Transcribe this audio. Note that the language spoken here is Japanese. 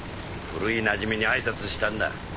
古いなじみに挨拶したんだ。